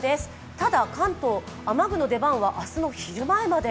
ただ関東、雨具の出番は明日の昼前まで。